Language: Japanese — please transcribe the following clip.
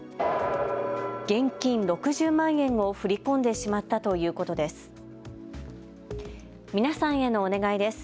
現金６０万円を振り込んでしまったということです。